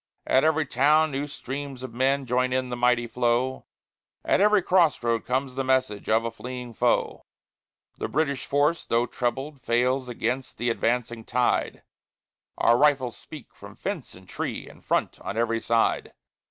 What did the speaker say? At every town new streams of men join in the mighty flow; At every crossroad comes the message of a fleeing foe: The British force, though trebled, fails against the advancing tide. Our rifles speak from fence and tree in front, on every side.